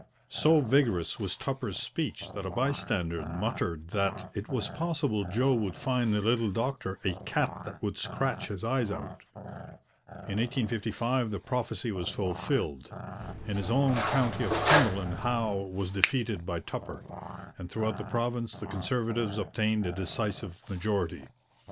So vigorous was Tupper's speech that a bystander muttered that 'it was possible Joe would find the little doctor a cat that would scratch his eyes out.' In 1855 the prophecy was fulfilled. In his own county of Cumberland Howe was defeated by Tupper, and throughout the province the Conservatives obtained a decisive majority.